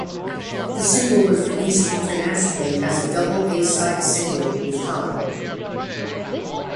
The single was released internationally as a double A-side single with "Holler".